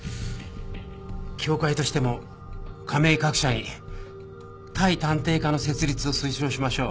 協会としても加盟各社に対探偵課の設立を推奨しましょう。